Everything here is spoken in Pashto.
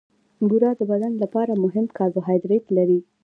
بوره د بدن لپاره مهم کاربوهایډریټ لري.